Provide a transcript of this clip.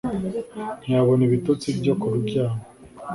ntiyabona ibitotsi byo kuryama